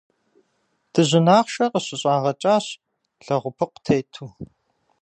Дыжьын ахъшэ къыщыщӏагъэкӏащ лэгъупыкъу тету.